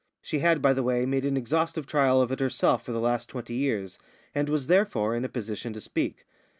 She had, by the way, made an exhaustive trial of it herself for the last twenty years, and was, therefore, in a position to speak.